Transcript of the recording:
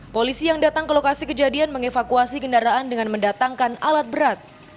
polisi yang datang ke lokasi kejadian mengevakuasi kendaraan dengan mendatangkan alat berat